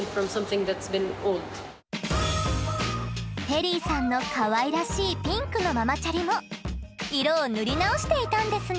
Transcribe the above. ペリーさんのかわいらしいピンクのママチャリも色を塗り直していたんですね。